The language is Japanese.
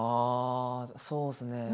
そうですね。